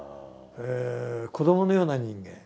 子どものような人間。